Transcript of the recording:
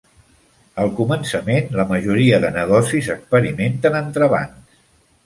Al començament, la majoria de negocis experimenten entrebancs.